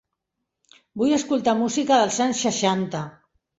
Vull escoltar música dels anys seixanta.